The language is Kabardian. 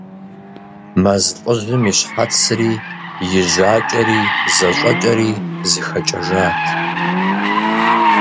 Мэз лӏыжьым и щхьэцри и жьакӏэри зэщӏэкӏэри зыхэкӏэжат.